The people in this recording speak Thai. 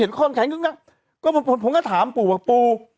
เห็นพ่อนแขนและค่ะก็ผมผมก็ถามปู่พ่อปู่